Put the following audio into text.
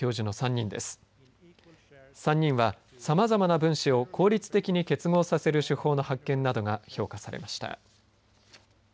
３人は、さまざまな分子を効率的に結合させる手法の発見などが評価されました。